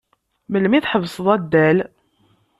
Melmi i tḥebseḍ addal?